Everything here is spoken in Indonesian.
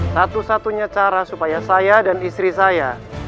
satu satunya cara supaya saya dan istri saya